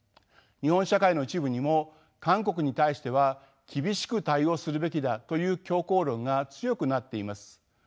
日本社会の一部にも韓国に対しては厳しく対応するべきだという強硬論が強くなっています。